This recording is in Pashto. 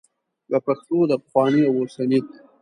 د پښتو د پخواني او اوسني